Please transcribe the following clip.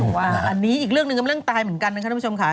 อันนี้อีกเรื่องหนึ่งก็เรื่องตายเหมือนกันนะคะท่านผู้ชมค่ะ